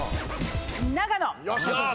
長野。